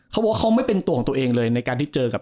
เขาบอกว่าเขาไม่เป็นตัวของตัวเองเลยในการที่เจอกับ